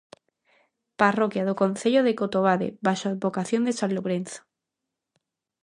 Parroquia do concello de Cotobade baixo a advocación de san Lourenzo.